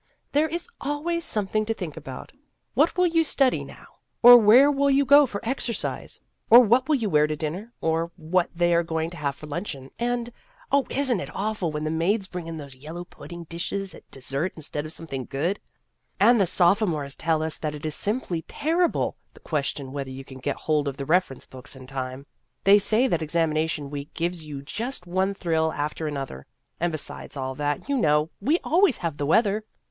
There is always something to think about what you will study now, or where you will go for exer 8 Vassar Studies cise, or what you will wear to dinner, or what they are going to have for luncheon, and Oh, is n't it awful when the maids bring in those yellow pudding dishes at des sert instead of something good ! And the sophomores tell us that it is simply terri ble the question whether you can get hold of the reference books in time. They say that examination week gives you just one thrill after another. And besides all that, you know, we always have the weather."